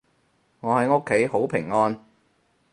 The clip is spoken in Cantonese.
我喺屋企好平安